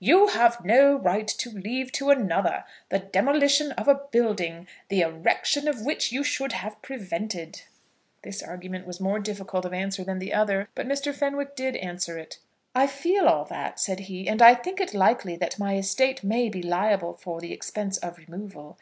"You have no right to leave to another the demolition of a building, the erection of which you should have prevented." This argument was more difficult of answer than the other, but Mr. Fenwick did answer it. "I feel all that," said he; "and I think it likely that my estate may be liable for the expense of removal.